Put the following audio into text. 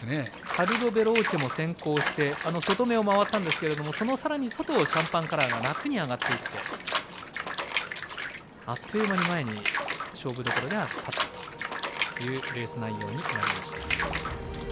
カルロヴェローチェも先行して外めを回ったんですけどそのさらに外をシャンパンカラーが楽に上がっていってあっという間に前に勝負どころでは立ったというレース内容になりました。